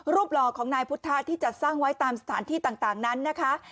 หล่อของนายพุทธะที่จัดสร้างไว้ตามสถานที่ต่างนั้นนะคะ